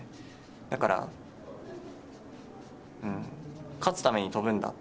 だから、勝つために跳ぶんだ。